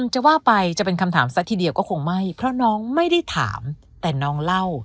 จะว่าไปจะเป็นคำถามซะทีเดียวก็คงไม่เพราะน้องไม่ได้ถามแต่น้องเล่า